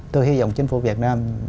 tôi hy vọng chính phủ việt nam